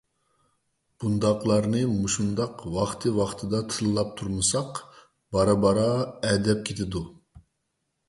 بۇنداقلارنى مۇشۇنداق ۋاقتى-ۋاقتىدا تىللاپ تۇرمىساق، بارا-بارا ئەدەپ كېتىدۇ.